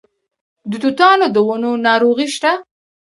د توتانو د ونو ناروغي شته؟